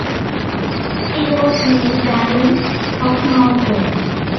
He was made Baron Hocknorton.